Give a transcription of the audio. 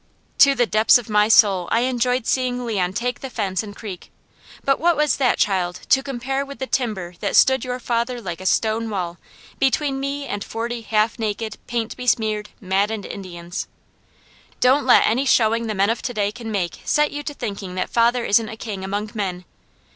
"To the depths of my soul I enjoyed seeing Leon take the fence and creek: but what was that, child, to compare with the timber that stood your father like a stone wall between me and forty half naked, paint besmeared, maddened Indians? Don't let any showing the men of to day can make set you to thinking that father isn't a king among men.